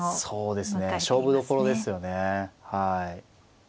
そうですね勝負どころですよね。